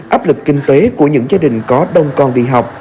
áp lực kinh tế của những gia đình có đông con đi học